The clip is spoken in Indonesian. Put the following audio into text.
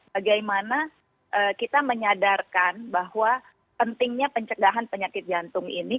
bagaimana kita menyadarkan bahwa pentingnya pencegahan penyakit jantung ini